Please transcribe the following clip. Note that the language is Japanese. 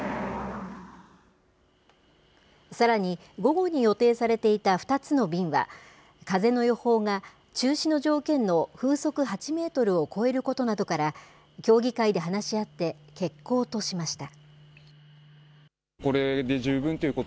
さらに、午後に予定されていた２つの便は、風の予報が中止の条件の風速８メートルを超えることなどから、協議会で話し合って、欠航としました。